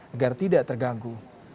agar tidak terganggu